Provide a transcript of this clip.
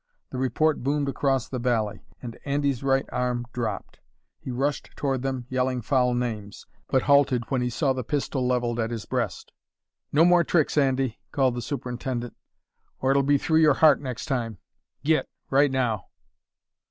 The report boomed across the valley, and Andy's right arm dropped. He rushed toward them, yelling foul names, but halted when he saw the pistol levelled at his breast. "No more tricks, Andy," called the superintendent, "or it'll be through your heart next time. Git, right now!"